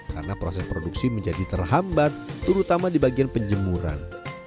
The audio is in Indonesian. karena proses produksi menjadi terhambat terutama di bagian penjemuran